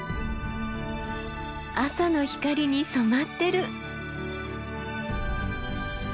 朝の光に染まってる！